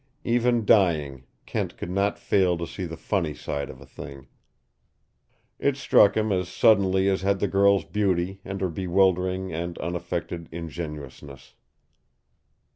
Even dying, Kent could not fail to see the funny side of a thing It struck him as suddenly as had the girl's beauty and her bewildering and unaffected ingenuousness.